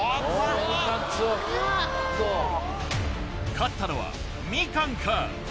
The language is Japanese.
勝ったのはみかんか？